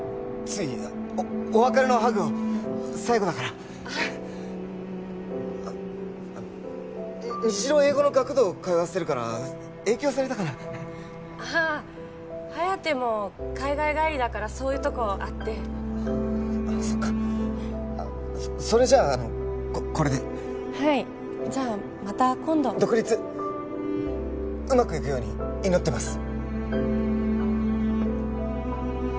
ついお別れのハグを最後だからあっあっあの虹朗英語の学童通わせてるから影響されたかなああ颯も海外帰りだからそういうとこあってあっそっかそれじゃああのこれではいじゃあまた今度独立うまくいくように祈ってます